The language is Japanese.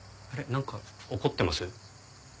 なんか怒ってます？